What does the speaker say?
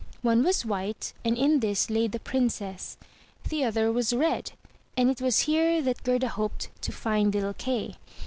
One was white, and in this lay the Princess; the other was red, and it was here that Gerda hoped to find little Kay.